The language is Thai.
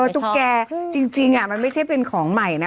ตุ๊กแกจริงมันไม่ใช่เป็นของใหม่นะ